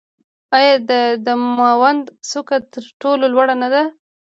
آیا د دماوند څوکه تر ټولو لوړه نه ده؟